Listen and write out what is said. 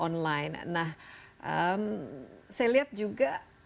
nah saya lihat juga